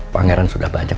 pangeran sudah banyak